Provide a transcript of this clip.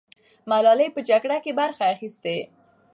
ملالۍ په جګړه کې برخه اخیستې.